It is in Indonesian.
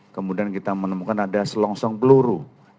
kemudian kita menemukan ada selongsong peluru